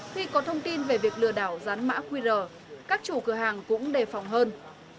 khi có thông tin về việc lừa đảo dán mã qr các chủ cửa hàng cũng đề phòng hơn